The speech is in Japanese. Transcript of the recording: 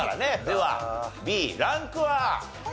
ではＢランクは？